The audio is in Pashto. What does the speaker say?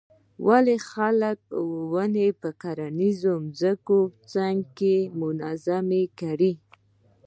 ولې خلک ونې په کرنیزو ځمکو څنګونو کې منظم کري.